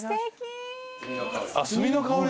・炭の香り。